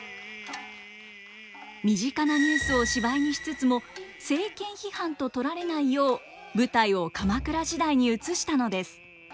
身近なニュースを芝居にしつつも政権批判と取られないよう舞台を鎌倉時代に移したのです。